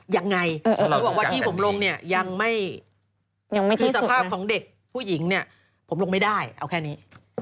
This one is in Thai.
ยังไงเขาบอกว่าที่ผมลงเนี่ยยังไม่คือสภาพของเด็กผู้หญิงเนี่ยผมลงไม่ได้เอาแค่นี้